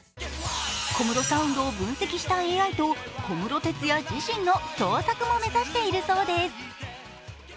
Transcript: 小室サウンドを分析したＡＩと小室哲哉自身の共作も目指しているそうです。